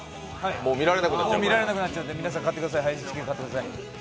もう見られなくなっちゃうので、皆さん配信チケット買ってください。